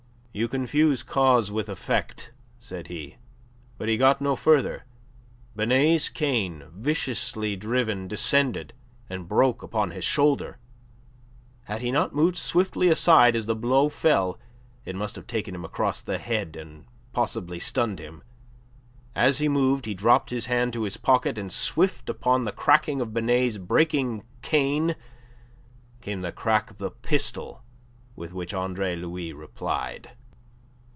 "You confuse cause with effect," said he. But he got no farther... Binet's cane, viciously driven, descended and broke upon his shoulder. Had he not moved swiftly aside as the blow fell it must have taken him across the head, and possibly stunned him. As he moved, he dropped his hand to his pocket, and swift upon the cracking of Binet's breaking cane came the crack of the pistol with which Andre Louis replied.